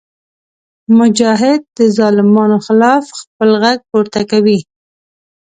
مجاهد د ظالمانو خلاف خپل غږ پورته کوي.